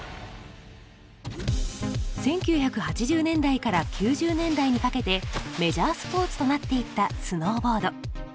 １９８０年代から９０年代にかけてメジャースポーツとなっていったスノーボード。